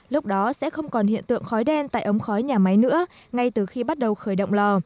lúc đó sẽ không còn hiện tượng khói đen tại ống khói nhà máy nữa ngay từ khi bắt đầu khởi động lò